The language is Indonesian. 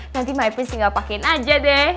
nanti maipun singgah pakein aja deh